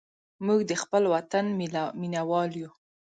موږ د خپل وطن مینهوال یو.